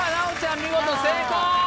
見事成功！